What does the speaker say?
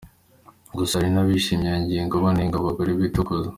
Gusa hari n’abashimye iyo ngingo banenga abagore bitukuza.